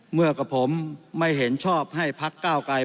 เมื่อกับผมไม่เห็นชอบให้พักเก้าไกร